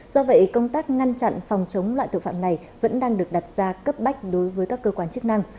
do vậy công tác ngăn chặn phòng chống loại tội phạm này vẫn đang được đặt ra cấp bách đối với các cơ quan chức năng